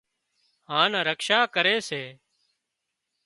هانَ رکشا ڪري سي